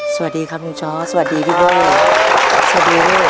สวัสดีครับหนูช้าสวัสดีพี่หนู